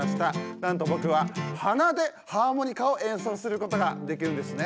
なんと僕は鼻でハーモニカを演奏することができるんですね。